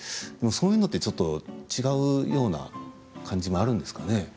でも、そういうのってちょっと違うような感じもあるんですかね。